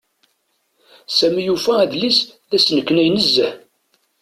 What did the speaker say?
Sami yufa adlis d asneknay nezzeh.